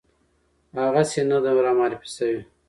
هغسې نه ده رامعرفي شوې